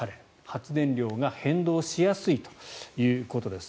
発電量が変動しやすいということです。